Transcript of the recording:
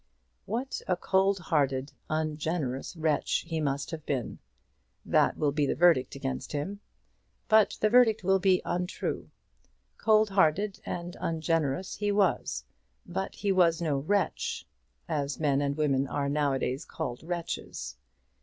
What a cold hearted, ungenerous wretch he must have been! That will be the verdict against him. But the verdict will be untrue. Cold hearted and ungenerous he was; but he was no wretch, as men and women are now a days called wretches.